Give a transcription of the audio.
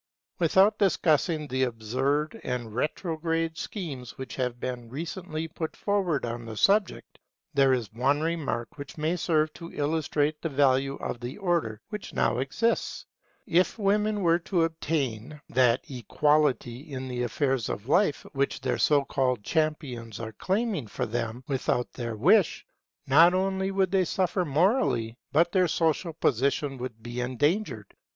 Without discussing the absurd and retrograde schemes which have been recently put forward on the subject, there is one remark which may serve to illustrate the value of the order which now exists. If women were to obtain that equality in the affairs of life which their so called champions are claiming for them without their wish, not only would they suffer morally, but their social position would be endangered.